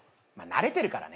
慣れてるから。